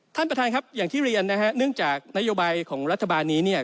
ท่านประธานครับอย่างที่เรียนนะฮะเนื่องจากนโยบายของรัฐบาลนี้เนี่ย